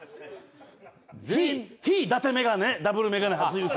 非だて眼鏡、ダブルメガネ初優勝。